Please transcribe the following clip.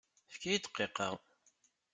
Efk-iyi dqiqa!